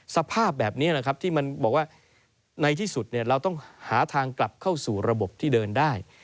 สภาพแบบนี้แหละครับที่มันบอกว่าในที่สุดเราต้องหาทางกลับเข้าสู่ระบบที่เดินได้